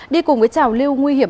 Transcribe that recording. đi cùng với trào lưu nguy hiểm